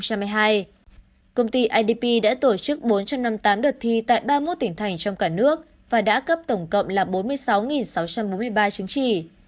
công ty idp đã tổ chức bốn trăm năm mươi tám đợt thi tại ba mươi một tỉnh thành trong cả nước và đã cấp tổng cộng là bốn mươi sáu sáu trăm bốn mươi ba chứng chỉ